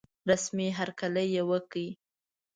رسمي هرکلی وکړ.